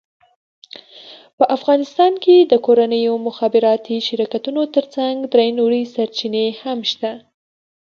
په افغانستان کې د کورنیو مخابراتي شرکتونو ترڅنګ درې نورې سرچینې هم شته،